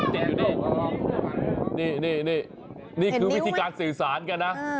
จริงอยู่นี่นี่คือวิธีการสื่อสารกันนะ